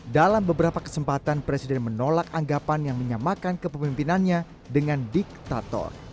dalam beberapa kesempatan presiden menolak anggapan yang menyamakan kepemimpinannya dengan diktator